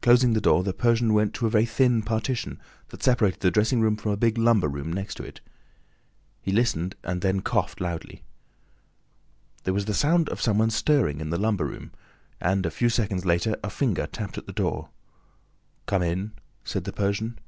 Closing the door, the Persian went to a very thin partition that separated the dressing room from a big lumber room next to it. He listened and then coughed loudly. There was a sound of some one stirring in the lumber room; and, a few seconds later, a finger tapped at the door. "Come in," said the Persian.